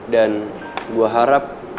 dan gue harap